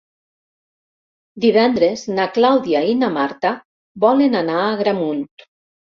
Divendres na Clàudia i na Marta volen anar a Agramunt.